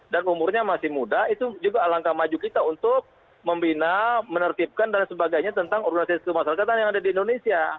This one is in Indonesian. dan umurnya masih muda itu juga alangkah maju kita untuk membina menertibkan dan sebagainya tentang organisasi kemasyarakatan yang ada di indonesia